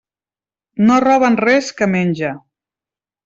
No roben res que menja.